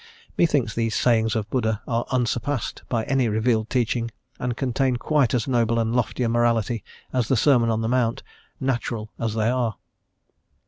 Methinks these sayings of Buddha are unsurpassed by any revealed teaching, and contain quite as noble and lofty a morality as the Sermon on the Mount, "natural" as they are.